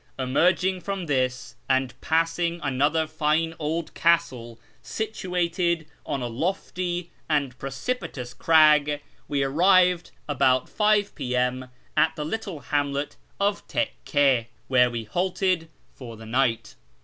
Emerging from this, and passing another line old castle situated on a lofty and precipitous crag, we arrived about 5 I'.M. at the little hamlet of Tekkc, where we halted for the night.